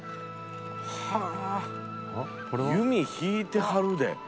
はぁ弓引いてはるで。